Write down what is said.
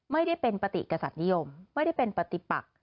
ไม่ได้เป็นปฏิกษัตริย์นิยมไม่ได้เป็นปฏิปัก